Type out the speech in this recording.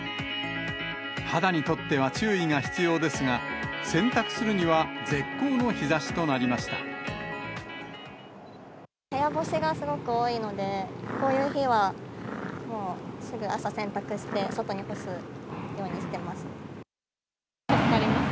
肌にとっては注意が必要ですが、洗濯するには絶好の日ざしとなり部屋干しがすごく多いので、こういう日はもう、すぐ朝洗濯して外に干すようにしてます。